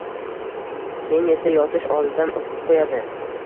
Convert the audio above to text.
keyin esa yotish oldidan o‘pib qo‘yadi.